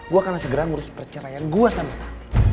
gue akan segera ngurus perceraian gue sama tanti